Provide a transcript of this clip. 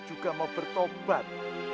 juga mau bertobat